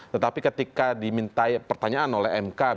tetapi ketika dimintai pertanyaan oleh mk